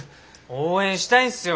応援したいんすよ